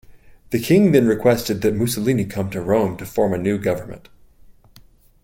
The King then requested that Mussolini come to Rome to form a new government.